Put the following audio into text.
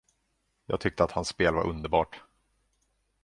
Jag tyckte att hans spel var underbart.